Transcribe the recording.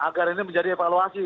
agar ini menjadi evaluasi